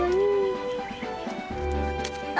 あ！